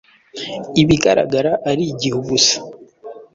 ibigaragara ari igihu gusa